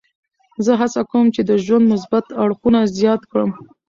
زه هڅه کوم چې د ژوند مثبت اړخونه زیات کړم.